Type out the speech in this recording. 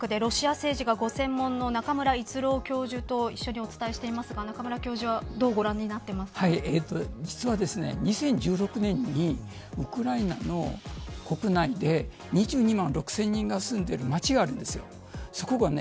今日も筑波学院大学でロシア政治がご専門の中村逸郎教授と一緒にお伝えしていますが中村教授は実は２０１６年にウクライナの国内で２２万６０００人が住んでいる町があるんです。